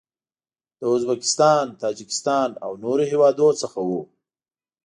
له ازبکستان، تاجکستان او نورو هیوادو څخه و.